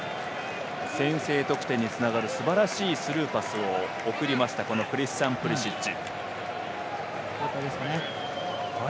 先制得点につながるすばらしいスルーパスを送りましたクリスチャン・プリシッチ。